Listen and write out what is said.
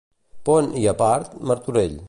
Pont i, a part, Martorell.